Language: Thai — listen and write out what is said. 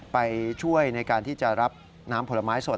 ไปช่วยในการที่จะรับน้ำผลไม้สด